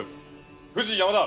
藤山田！